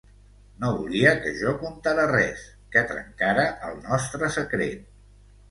No volia que jo contara res, que trencara el nostre secret.